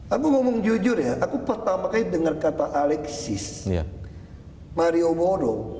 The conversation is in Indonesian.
aku ngomong jujur ya aku pertama kali dengar kata alexis mario modo